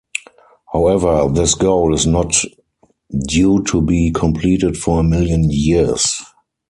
However, this goal is not due to be completed for a million years.